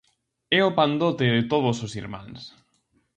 É o pandote de todos os irmáns.